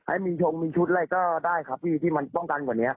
มีชงมีชุดอะไรก็ได้ครับพี่ที่มันป้องกันกว่านี้